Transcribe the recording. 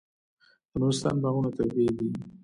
د نورستان باغونه طبیعي دي.